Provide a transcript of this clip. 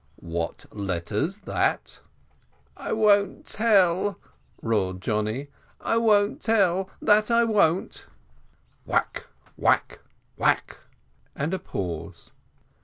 "What letter's that?" "I won't tell," roared Johnny; "I won't tell that I won't." Whack whack whack, and a pause.